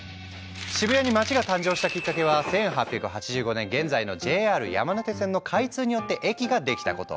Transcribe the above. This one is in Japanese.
渋谷に街が誕生したきっかけは１８８５年現在のＪＲ山手線の開通によって駅が出来たこと。